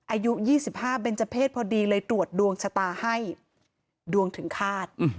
อายุ๒๕เบนเจอร์เพศพอดีเลยตรวจดวงชะตาให้ดวงถึงคาด